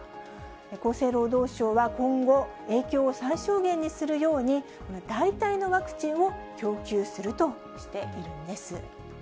厚生労働省は、今後、影響を最小限にするように、代替のワクチンを供給するとしているんです。